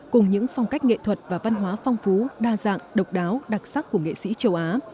cùng những phong cách nghệ thuật và văn hóa phong phú đa dạng độc đáo đặc sắc của nghệ sĩ châu á